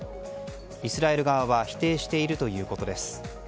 イスラエル側は否定しているということです。